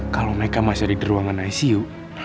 kalau mereka masih ada di ruangan icu